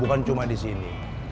bukan cuma disini